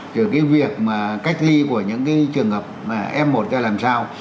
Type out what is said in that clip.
về cái việc mà cách thi của những trường hợp f một ta làm sao